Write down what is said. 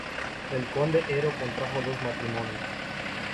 El conde Ero contrajo dos matrimonios.